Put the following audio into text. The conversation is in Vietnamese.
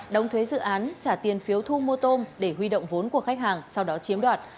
đóng thuế dự án trả tiền phiếu thu mua tôm để huy động vốn của khách hàng sau đó chiếm đoạt